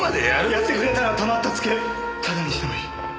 やってくれたらたまったツケタダにしてもいい。